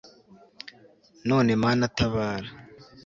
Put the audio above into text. none mana tabara